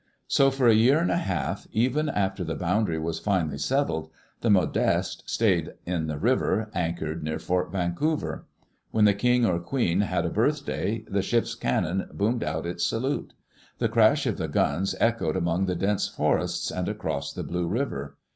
So for a year and half, even after the boundary was finally settled, the Modeste stayed in the river, anchored near Fort Vancouver. When the king or the queen had a birthday, the ship's cannon boomed out its salute. The crash of the guns echoed among the dense forests and across the blue river.